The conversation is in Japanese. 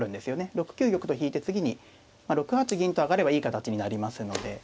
６九玉と引いて次に６八銀と上がればいい形になりますので。